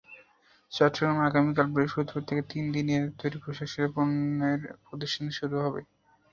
চট্টগ্রামে আগামীকাল বৃহস্পতিবার থেকে তিন দিনের তৈরি পোশাকশিল্পের পণ্যের প্রদর্শনী শুরু হচ্ছে।